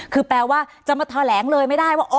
คือแปลว่าจะมาแถลงเลยไม่ได้ว่า